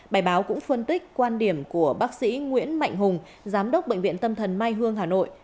bài báo cũng phân tích quan điểm của bác sĩ nguyễn mạnh hùng giám đốc bệnh viện tâm thần mai hương hà nội